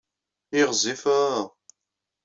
Ay ɣezzifeḍ!